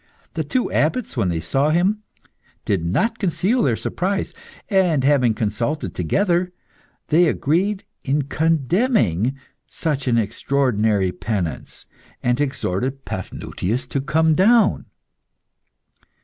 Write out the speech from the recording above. The two abbots, when they saw him, did not conceal their surprise; and, having consulted together, they agreed in condemning such an extraordinary penance, and exhorted Paphnutius to come down.